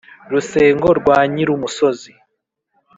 rusengo rwa nyirumusozi